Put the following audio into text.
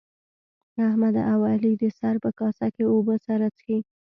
احمد او علي د سر په کاسه کې اوبه سره څښي.